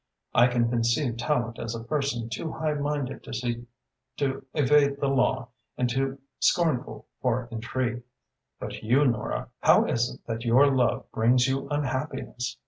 I can conceive Tallente as a person too highminded to seek to evade the law and too scornful for intrigue. But you, Nora, how is it that your love brings you unhappiness?